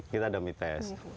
kita ada mites